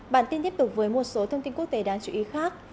bản tin tiếp tục với một số thông tin quốc tế đáng chú ý khác